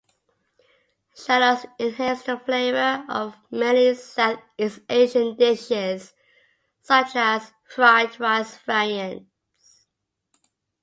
Shallots enhance the flavor of many Southeast Asian dishes, such as fried rice variants.